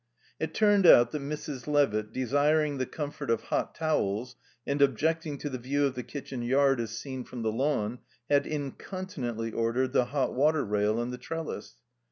It turned out that Mrs. Levitt, desiring the comfort of hot towels, and objecting to the view of the kitchen yard as seen from the lawn, had incontinently ordered the hot water rail and the trellis.